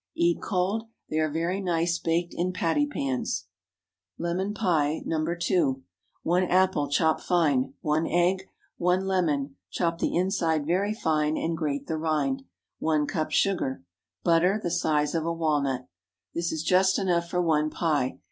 Eat cold. They are very nice baked in pattypans. LEMON PIE (No. 2.) ✠ 1 apple, chopped fine. 1 egg. 1 lemon, chop the inside very fine and grate the rind. 1 cup sugar. Butter, the size of a walnut. This is just enough for one pie.